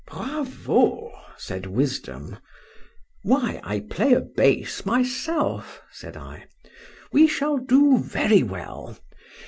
—Bravo! said Wisdom.—Why, I play a bass myself, said I;—we shall do very well.